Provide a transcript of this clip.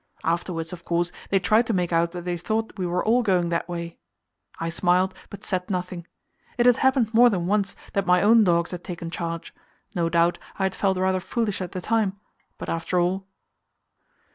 Afterwards, of course, they tried to make out that they thought we were all going that way. I smiled, but said nothing. It had happened more than once that my own dogs had taken charge; no doubt I had felt rather foolish at the time, but after all